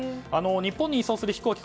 日本に移送する飛行機